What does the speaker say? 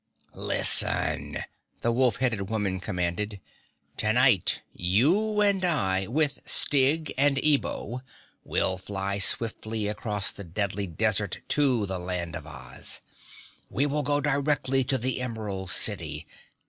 "Listen!" the wolf headed woman commanded. "Tonight you and I, with Styg and Ebo, will fly swiftly across the Deadly Desert to the Land of Oz. We will go directly to the Emerald City.